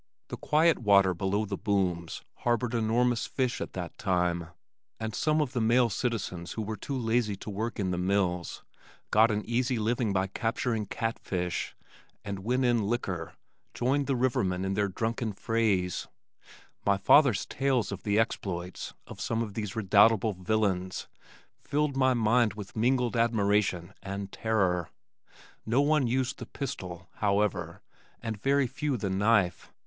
The quiet water below the booms harbored enormous fish at that time, and some of the male citizens who were too lazy to work in the mills got an easy living by capturing cat fish, and when in liquor joined the rivermen in their drunken frays. My father's tales of the exploits of some of these redoubtable villains filled my mind with mingled admiration and terror. No one used the pistol, however, and very few the knife.